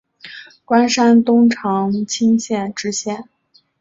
官山东长清县知县。